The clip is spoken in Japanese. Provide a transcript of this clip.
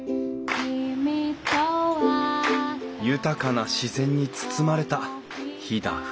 豊かな自然に包まれた飛騨古川。